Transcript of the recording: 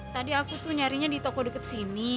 tadi aku tuh nyarinya di toko dekat sini